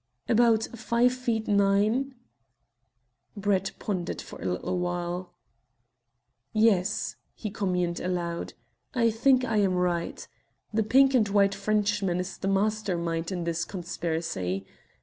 "About five feet nine." Brett pondered for a little while. "Yes," he communed aloud, "I think I am right. That pink and white Frenchman is the master mind in this conspiracy.